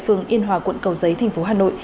thành phố yên hòa quận cầu giấy thành phố hà nội